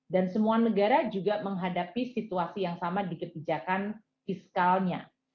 dan semua negara juga menghadapi situasi yang sama di kebijakan fiskalnya